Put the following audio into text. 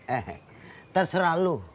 eh terserah lo